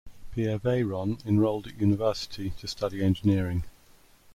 Pierre Veyron enrolled at university to study engineering.